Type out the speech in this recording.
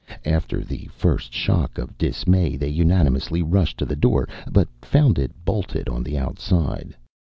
After the first shock of dismay they unanimously rushed to the door, but found it bolted on the outside.